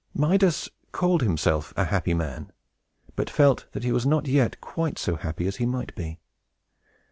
Midas called himself a happy man, but felt that he was not yet quite so happy as he might be.